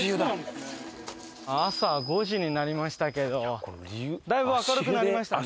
朝５時になりましたけどだいぶ明るくなりましたね。